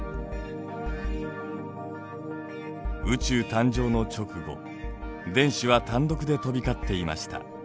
宇宙誕生の直後電子は単独で飛び交っていました。